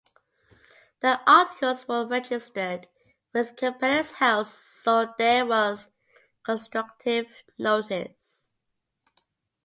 The articles were registered with Companies House so there was constructive notice.